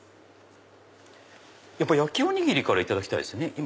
やっぱり焼きおにぎりからいただきたいですよね。